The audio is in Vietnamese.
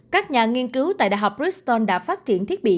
các nhà nghiên cứu tại đại học briston đã phát triển thiết bị